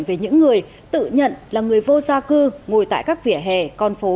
về những người tự nhận là người vô gia cư ngồi tại các vỉa hè con phố